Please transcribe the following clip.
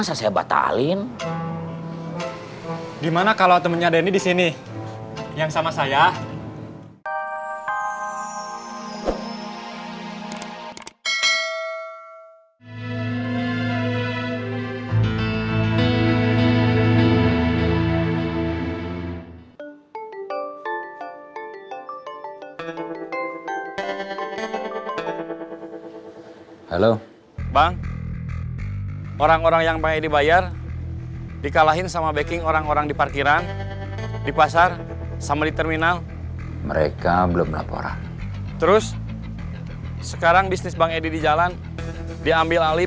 sampai jumpa di video selanjutnya